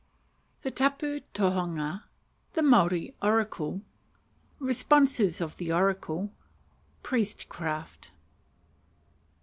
The Tapu Tohunga. The Maori Oracle. Responses of the Oracle. Priestcraft.